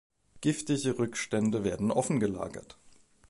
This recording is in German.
Giftige Rückstände werden offen gelagert.